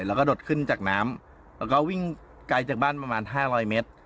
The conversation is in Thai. แล้วก็โดดขึ้นจากน้ำแล้วก็วิ่งไกลจากบ้านประมาณ๕๐๐เมตร